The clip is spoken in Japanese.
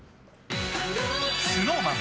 ＳｎｏｗＭａｎ